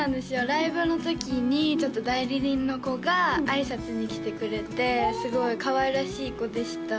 ライブの時に代理人の子があいさつに来てくれてすごいかわいらしい子でした